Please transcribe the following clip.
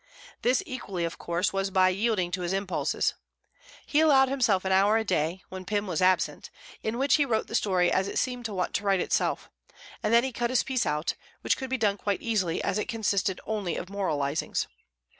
This, equally of course, was by yielding to his impulses. He allowed himself an hour a day, when Pym was absent, in which he wrote the story as it seemed to want to write itself, and then he cut this piece out, which could be done quite easily, as it consisted only of moralizings.